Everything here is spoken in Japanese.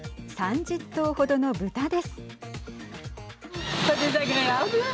３０頭ほどの豚です。